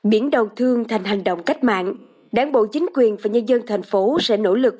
biển đầu thương thành hành động cách mạng đảng bộ chính quyền và nhân dân thành phố sẽ nỗ lực